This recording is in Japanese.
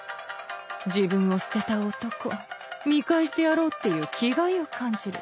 自分を捨てた男見返してやろうっていう気概を感じる。